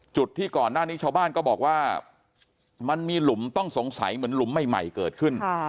จุดที่ก่อนหน้านี้ชาวบ้านก็บอกว่ามันมีหลุมต้องสงสัยเหมือนหลุมใหม่เกิดขึ้น